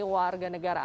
dan saat yang terakhir